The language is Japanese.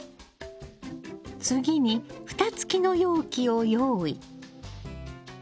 次に蓋つきの容器を用意。